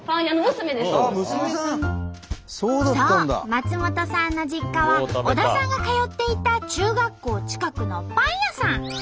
松本さんの実家は小田さんが通っていた中学校近くのパン屋さん。